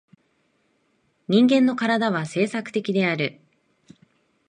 人間の身体は制作的である。